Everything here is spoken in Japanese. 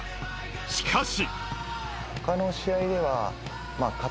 しかし。